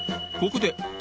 ［ここで］